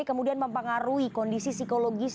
kemudian mempengaruhi kondisi psikologis